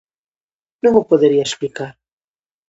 Non o podería esplicar...